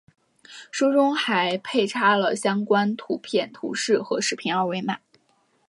书中还配插了相关图片、图示和视频二维码